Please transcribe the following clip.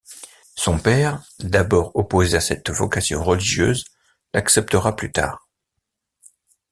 Son père, d’abord opposé à cette vocation religieuse, l’acceptera plus tard.